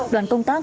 đoàn công tác